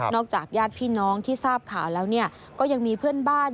จากญาติพี่น้องที่ทราบข่าวแล้วก็ยังมีเพื่อนบ้าน